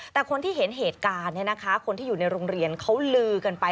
แต่คนที่เห็นเหตุการณ์คนที่อยู่ในโรงเรียนเขาลือกันไป